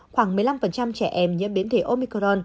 khoảng một mươi năm trẻ em nhiễm biến thể omicron